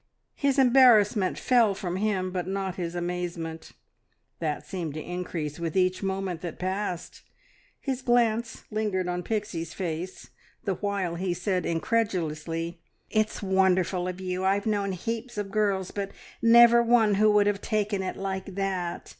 His embarrassment fell from him, but not his amazement; that seemed to increase with each moment that passed. His glance lingered on Pixie's face, the while he said incredulously "It's it's wonderful of you. I've known heaps of girls, but never one who would have taken it like that.